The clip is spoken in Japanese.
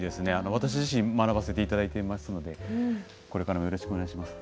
私自身、学ばさせていただいていますのでこれからもよろしくお願いいたします。